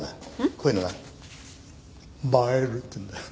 こういうのな「映える」っていうんだよ。